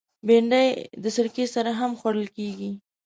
بېنډۍ د سرکه سره هم خوړل کېږي